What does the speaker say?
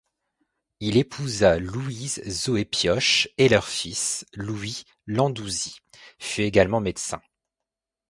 Il épousa Louise Zoé Pioche et leur fils, Louis Landouzy, fut également médecin.